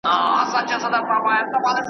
او چي روږد سي د بادار په نعمتونو .